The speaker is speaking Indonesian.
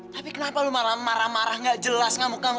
tapi kenapa lo malah marah marah gak jelas sama eyang